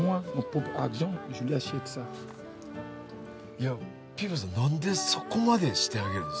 いやピヴォさん何でそこまでしてあげるんです？